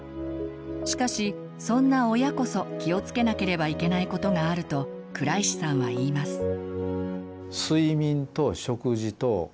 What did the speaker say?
しかしそんな親こそ気をつけなければいけないことがあると倉石さんは言います。